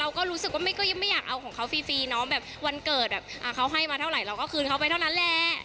เราก็รู้สึกว่าไม่อยากเอาของเขาฟรีเนาะแบบวันเกิดเขาให้มาเท่าไหร่เราก็คืนเขาไปเท่านั้นแหละ